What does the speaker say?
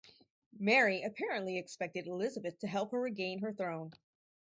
Mary apparently expected Elizabeth to help her regain her throne.